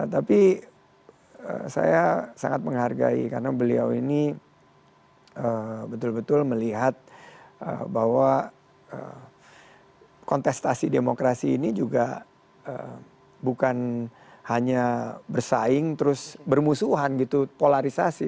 tapi saya sangat menghargai karena beliau ini betul betul melihat bahwa kontestasi demokrasi ini juga bukan hanya bersaing terus bermusuhan gitu polarisasi